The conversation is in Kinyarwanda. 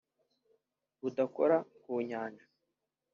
rudakora ku Nyanja